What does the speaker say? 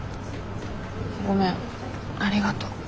ごめんありがと。